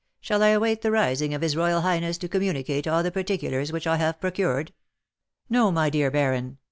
Shall I await the rising of his royal highness to communicate all the particulars which I have procured?" "No, my dear baron.